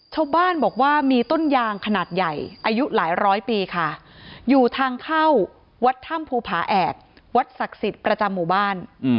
ชาวบ้านบอกว่ามีต้นยางขนาดใหญ่อายุหลายร้อยปีค่ะอยู่ทางเข้าวัดถ้ำภูผาแอกวัดศักดิ์สิทธิ์ประจำหมู่บ้าน